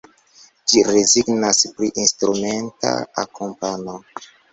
Ĝi rezignas pri instrumenta akompano.